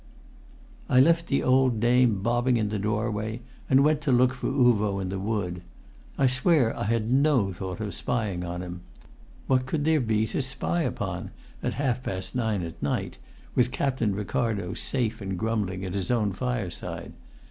I left the old dame bobbing in the doorway, and went to look for Uvo in the wood. I swear I had no thought of spying upon him. What could there be to spy upon, at half past nine at night, with Captain Ricardo safe and grumbling at his own fireside?